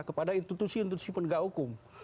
kepada institusi institusi penegak hukum